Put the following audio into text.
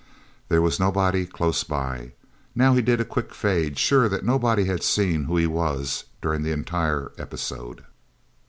There was nobody close by. Now he did a quick fade, sure that nobody had seen who he was, during the entire episode.